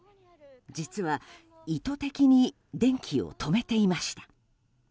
実は、意図的に電気を止めていました。